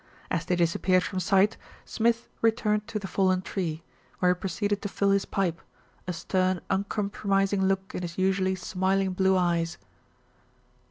As they disappeared from sight, Smith returned to 274 THE RETURN OF ALFRED the fallen tree, where he proceeded to fill his pipe, a stern, uncompromising look in his usually smiling blue eyes.